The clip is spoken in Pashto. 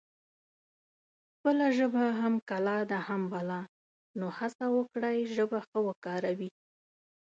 خپله ژبه هم کلا ده هم بلا نو هسه وکړی ژبه ښه وکاروي